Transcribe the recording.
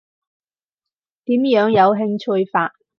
點樣有興趣法？